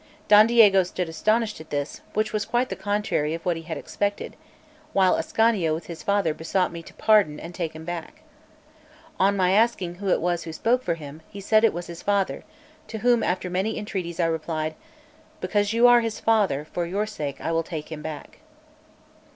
Don Diego stood astonished at this, which was quite the contrary of what he had expected; while Ascanio with his father besought me to pardon and take him back. On my asking who it was who spoke for him, he said it was his father; to whom, after many entreaties, I replied: "Because you are his father, for your sake I will take him back."